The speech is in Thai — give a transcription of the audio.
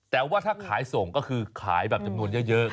แต่ว่าถ้าขายส่งก็คือขายแบบจำนวนเยอะ